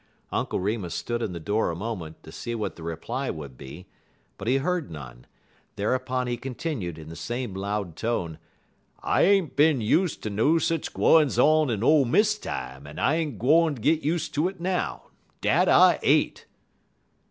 Uncle Remus stood in the door a moment to see what the reply would be, but he heard none. Thereupon he continued, in the same loud tone: "I ain't bin use ter no sich gwines on in Ole Miss time, en I ain't gwine git use ter it now. Dat I ain't."